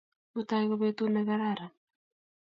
Mutai ko petut ne kararan